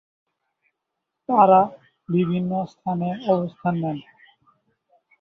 তাঁরা বিভিন্ন স্থানে অবস্থান নেন।